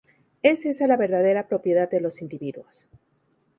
Es esa la verdadera propiedad de los individuos.